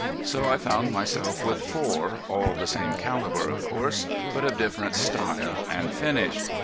So I found myself with four, all the same caliber of course, but of different style and finish.